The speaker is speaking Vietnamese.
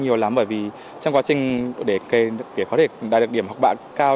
do lắm bởi vì trong quá trình để có thể đạt được điểm học bạ cao